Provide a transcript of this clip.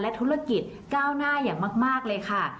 ธุรกิจก้าวหน้าอย่างมากเลยค่ะ